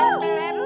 makasih ya tnela